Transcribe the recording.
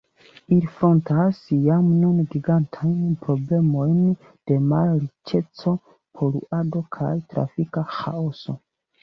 Ili frontas jam nun gigantajn problemojn de malriĉeco, poluado kaj trafika ĥaoso.